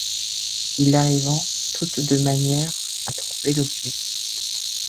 Ils arrivent tout de même à trouver l'objet.